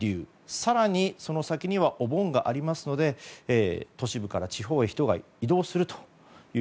更に、その先にはお盆がありますので都市部から地方へ人が移動するという。